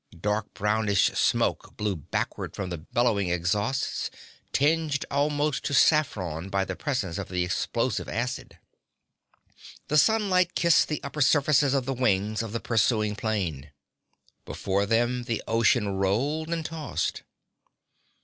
Dark brownish smoke blew backward from the bellowing exhausts, tinged almost to saffron by the presence of the explosive acid. The sunlight kissed the upper surfaces of the wings of the pursuing plane. Below them the ocean rolled and tossed.